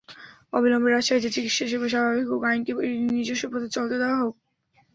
অবিলম্বে রাজশাহীতে চিকিৎসাসেবা স্বাভাবিক হোক, আইনকে নিজস্ব পথে চলতে দেওয়া হোক।